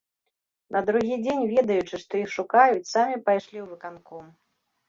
На другі дзень, ведаючы, што іх шукаюць, самі пайшлі ў выканком.